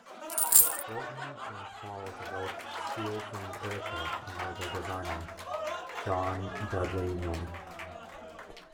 Boulton & Paul developed steel-framed aircraft under their designer John Dudley North.